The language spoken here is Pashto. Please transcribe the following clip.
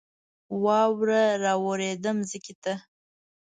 واوره را اوورېده ځمکې ته